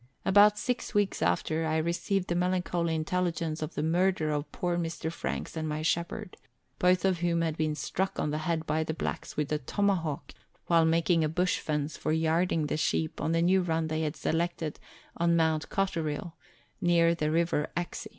About six weeks after, I received the melancholy intelligence of the murder of poor Mr. Franks and my shepherd, both of whom had been struck on the head by the blacks with a tomahawk while making a bush fence for yarding the sheep on the new run they had selected on Mount Cotterill, near the River Exe.